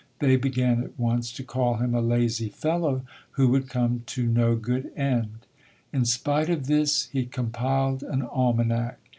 They began at once to call him a lazy fellow who would come to no good end. In spite of this, he compiled an almanac.